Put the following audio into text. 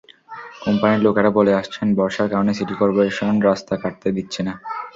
কোম্পানির লোকেরা বলে আসছেন, বর্ষার কারণে সিটি করপোরেশন রাস্তা কাটতে দিচ্ছে না।